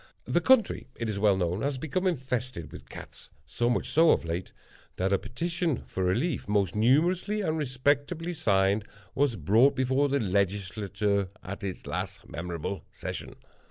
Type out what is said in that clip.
The country, it is well known, has become infested with cats—so much so of late, that a petition for relief, most numerously and respectably signed, was brought before the Legislature at its late memorable session.